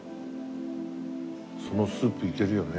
そのスープいけるよね。